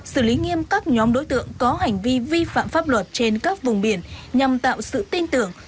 xử lý nghiêm các nhóm đối tượng có hành vi vi phạm pháp luật trên các vùng biển nhằm tạo sự tin tưởng